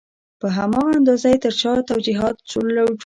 په هماغه اندازه یې تر شا توجیهات جوړېږي.